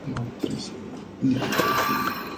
Actualmente juega en el Orlando Pirates de Sudáfrica.